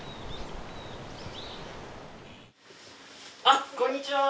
あっこんにちは！